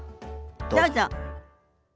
どうぞ。